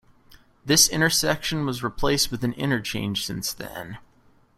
This intersection was replaced with an interchange since then.